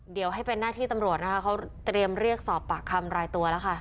เดี๋ยวให้เป็นหน้าที่ตำรวจนะคะเขาเตรียมเรียกสอบปากคำรายตัวแล้วค่ะ